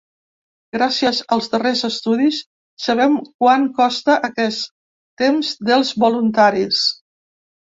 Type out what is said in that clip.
Gràcies als darrers estudis, sabem quant costa aquest temps dels voluntaris.